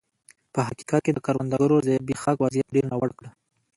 په حقیقت کې د کروندګرو زبېښاک وضعیت ډېر ناوړه کړ.